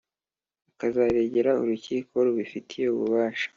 akazaregera Urukiko rubifitiye ububasha